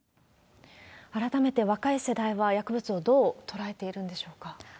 改めて、若い世代は薬物をどう捉えているんでしょうか。